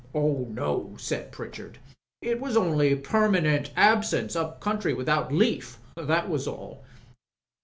"Oh, no," said Pritchard. "It was only permanent absence up country without leaf. That was all."